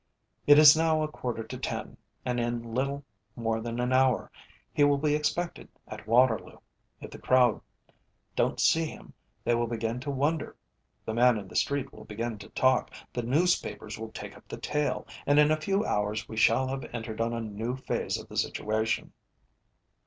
"It is now a quarter to ten, and in little more than an hour he will be expected at Waterloo. If the crowd don't see him they will begin to wonder, the man in the street will begin to talk, the newspapers will take up the tale, and in a few hours we shall have entered on a new phase of the situation."